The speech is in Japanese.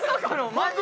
マジ？